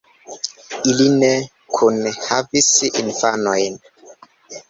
Ili ne kune havis infanojn.